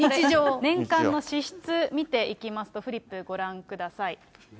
年間の支出、見ていきますと、フリップご覧ください。